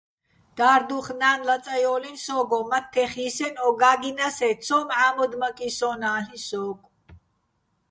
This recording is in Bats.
და́რდუხ ნა́ნ ლაწაჲოლინი̆ სო́გო, მათთეხ ჲსენო̆ ო გა́გჲნასე́ ცო ჺამოდმაკისონ-ალ'იჼ სო́გო̆.